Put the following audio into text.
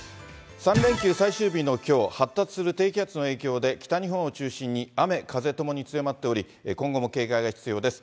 ３連休最終日のきょう、発達する低気圧の影響で北日本を中心に雨、風ともに強まっており、今後も警戒が必要です。